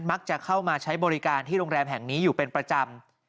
มักจะเข้ามาใช้บริการที่โรงแรมแห่งนี้อยู่เป็นประจำ